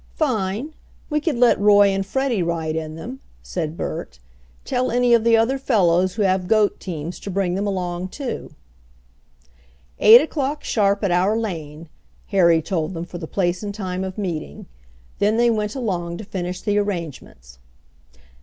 "Fine; we could let Roy and Freddie ride in them," said Bert. "Tell any of the other fellows who have goat teams to bring them along too." "Eight o'clock sharp at our lane," Harry told them for the place and time of meeting. Then they went along to finish the arrangements.